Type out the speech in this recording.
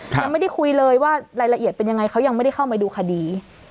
ยังไม่ได้คุยเลยว่ารายละเอียดเป็นยังไงเขายังไม่ได้เข้าไปดูคดี